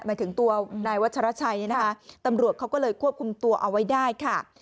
หมายถึงตัวนายวัชราชัยเนี่ยนะคะตำรวจเขาก็เลยควบคุมตัวเอาไว้ได้ค่ะ